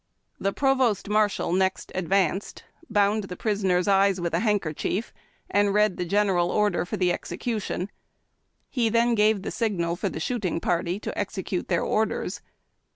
The provost marshal next advanced, bound the prisoner's eyes with a handkerchief, and read the general order for the execution. He then gave the signal for the shooting party to execute their orders.